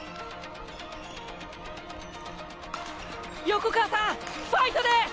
横川さんファイトです！